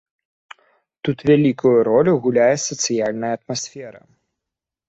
Тут вялікую ролю гуляе сацыяльная атмасфера.